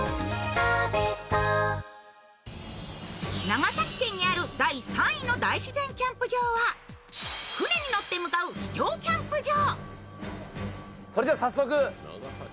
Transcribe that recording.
長崎県にある第３位の大自然キャンプ場は船に乗って向かう秘境キャンプ場。